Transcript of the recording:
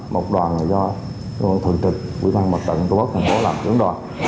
một đoàn là do thượng trực quỹ ban mật tận tổ quốc thành phố làm trưởng đoàn